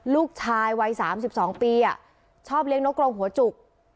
ลูกชายวัย๓๒ปีชอบเลี้ยงนกกรงหัวจุก